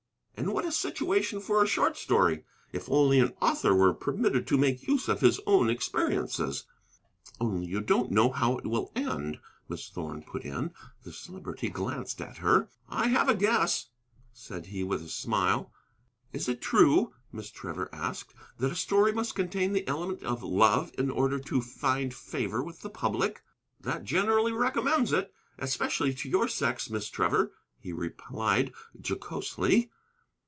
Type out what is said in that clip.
And what a situation for a short story, if only an author were permitted to make use of his own experiences!" "Only you don't know how it will end," Miss Thorn put in. The Celebrity glanced up at her. "I have a guess," said he, with a smile. "Is it true," Miss Trevor asked, "that a story must contain the element of love in order to find favor with the public?" "That generally recommends it, especially to your sex, Miss Trevor," he replied jocosely.